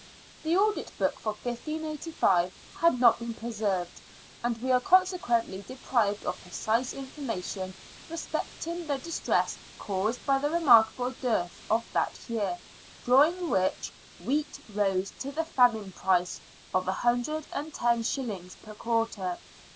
The audit book for 1585 has not been preserved, and we are consequently deprived of precise information respecting the distress caused by the remarkable dearth of that year, during which wheat rose to the famine price of iios. per quarter.